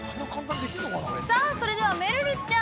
◆さあ、それではめるるちゃん